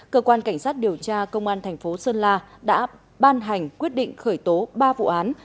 cơ quan cảnh sát điều tra công an thành phố sơn la đã ban hành quyết định khởi tố ba vụ án